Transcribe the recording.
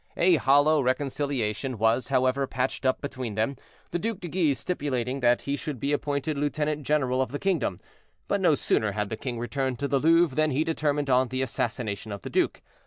A hollow reconciliation was, however, patched up between them, the Duc de Guise stipulating that he should be appointed lieutenant general of the kingdom; but no sooner had the king returned to the Louvre than he determined on the assassination of the duke.